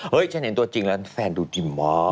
เฮ้ยฉันเห็นตัวจริงแล้วแฟนดูดิ่มมาก